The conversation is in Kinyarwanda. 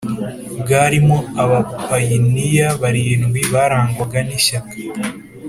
Bwarimo abapayiniya barindwi barangwaga n ishyaka